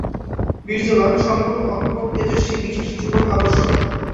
বীর্যবান্, সম্পূর্ণ অকপট, তেজস্বী, বিশ্বাসী যুবক আবশ্যক।